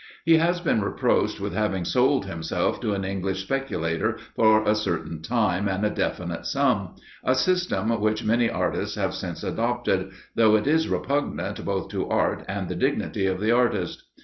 He has been reproached with having sold himself to an English speculator for a certain time and a definite sum: a system which many artists have since adopted, though it is repugnant both to art and the dignity of the artist.